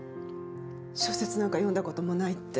小説なんか読んだこともないって。